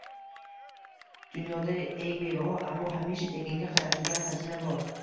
Dunyoda eng bebaho, ammo hamisha tekinga tarqatiladigan xazina bor.